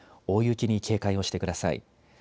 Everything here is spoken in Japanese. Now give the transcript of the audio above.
大雪に警戒をしてください。